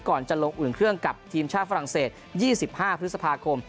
ก่อนจะลงอุ่นเครื่องกับทีมชาติฝรั่งเศส๒๕พฤษภาคม